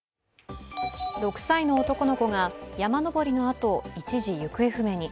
６歳の男の子が山登りのあと一時、行方不明に。